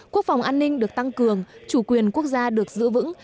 quốc phòng an ninh được tăng cường chủ quyền quốc gia được giữ vững